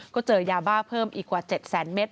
ก็เจอยาบ้าเพิ่มอีกกว่า๗แสนเมตร